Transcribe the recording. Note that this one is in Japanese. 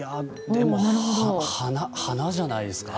でも、花じゃないですか？